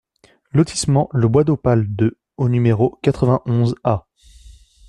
Lotissement Le Bois d'Opale deux au numéro quatre-vingt-onze A